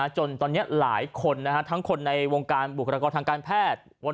จนตอนนี้หลายคนทั้งคนในวงการบุคลากรทางการแพทย์